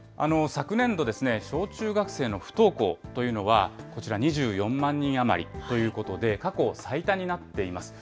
昨年度、小中学生の不登校というのは、こちら、２４万人余りということで、過去最多になっています。